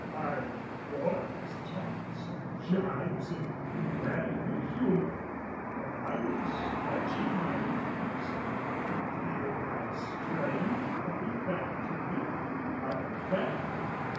I bore these taunts and gibes in rare good humor, for I was stretching my limbs and could feel my strength coming back to me unimpaired.